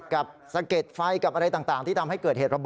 กับสะเก็ดไฟกับอะไรต่างที่ทำให้เกิดเหตุระเบ